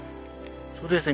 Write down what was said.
そうですね。